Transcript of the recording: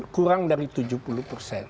kurang dari tujuh puluh persen